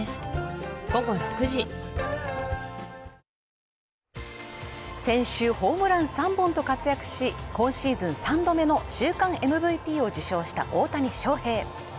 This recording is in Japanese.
ニトリ選手ホームラン３本と活躍し今シーズン３度目の週間ＭＶＰを受賞した大谷翔平